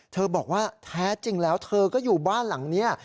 บอกว่าแท้จริงแล้วเธอก็อยู่บ้านหลังนี้